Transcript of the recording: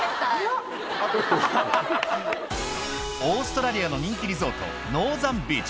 オーストラリアの人気リゾート